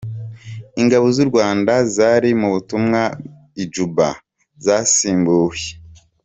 Ingabo z’u Rwanda zari mu butumwa i Juba zasimbuwe